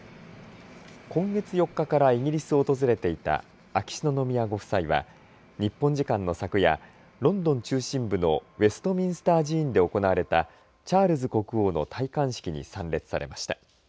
今月４日からイギリスを訪れていた秋篠宮ご夫妻は日本時間の昨夜ロンドン中心部のウェストミンスター寺院で行われたチャールズ国王の戴冠式に参列されました。